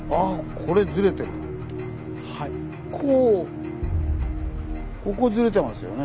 ここずれてますよね。